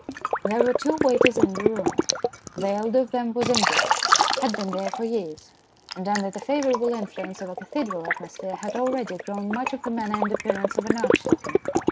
There were two waiters in the room. The elder of them was English, had been there for years, and under the favourable influence of a cathedral atmosphere had already grown much of the manner and appearance of an archdeacon.